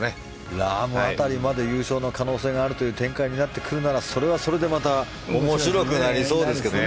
ラーム辺りまで優勝の可能性があるという展開になってくるならそれはそれでまた面白くなりそうですけどね。